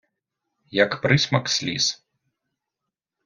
Як присмак сліз...